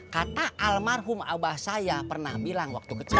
kata almarhum abah saya pernah bilang waktu kecil